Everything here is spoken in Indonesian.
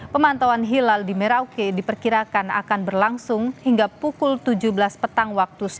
pemantauan hilal di merauke diperkirakan akan berlangsung hingga pukul tujuh belas petang waktu setempat